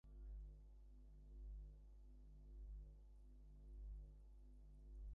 সফিকের আরো কিছুদিন থেকে কালু খাঁর রহস্য ভেদ করে আসার ইচ্ছা ছিল।